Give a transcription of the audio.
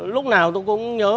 lúc nào tôi cũng nhớ